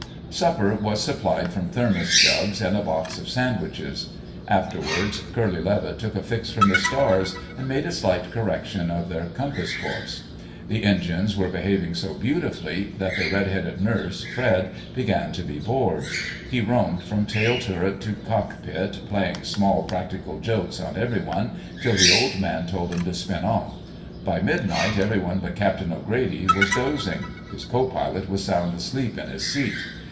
Supper was supplied from thermos jugs and a box of sandwiches. Afterwards, Curly Levitt took a fix from the stars, and made a slight correction in their compass course. The engines were behaving so beautifully that their red headed nurse, Fred, began to be bored. He roamed from tail turret to cockpit playing small practical jokes on everyone, until the Old Man told him to spin off. By midnight everyone but Captain O'Grady was dozing. His co pilot was sound asleep in his seat.